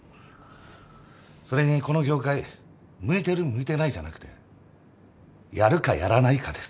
それにこの業界向いてる向いてないじゃなくてやるかやらないかです。